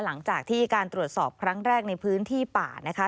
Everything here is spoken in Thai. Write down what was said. หลังจากที่การตรวจสอบครั้งแรกในพื้นที่ป่านะคะ